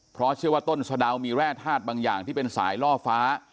เพราะเชื่อว่าต้นสะดาวมีแร่ธาตุบางอย่างที่เป็นสายล่อฟ้า